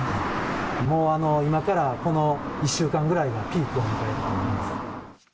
もう今からこの１週間ぐらいが、ピークを迎えると思います。